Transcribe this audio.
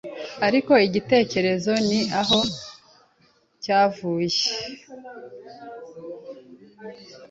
ariko igitekerezo ni aho cyavuye